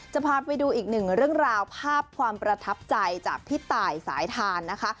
จะพาไปดูอีกหนึ่งเรื่องราวภาพความประทับใจจากพี่ตายสายทานนะคะ